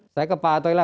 saya ke pak atoila